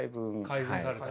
改善された。